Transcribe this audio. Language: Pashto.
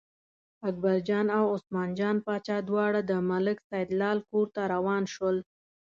اکبرجان او عثمان جان باچا دواړه د ملک سیدلال کور ته روان شول.